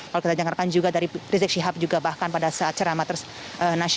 kalau kita dengarkan juga dari rizik syihab juga bahkan pada saat ceramah